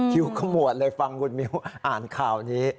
คิ้วกระหมวดเลยฟังคุณมิ้วอ่านข่าวนี้